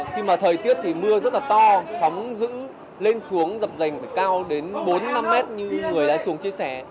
khi mà thời tiết thì mưa rất là to sóng dữ lên xuống dập dành phải cao đến bốn năm mét như người lái xuồng chia sẻ